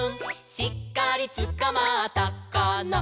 「しっかりつかまったかな」